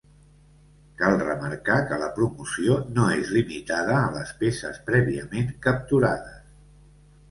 Cal remarcar que la promoció no és limitada a les peces prèviament capturades.